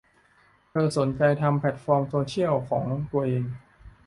เธอสนใจทำแพลตฟอร์มโซเชียลของตัวเอง